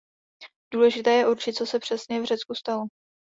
Důležité je určit, co se přesně v Řecku stalo.